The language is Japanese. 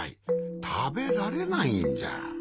たべられないんじゃ。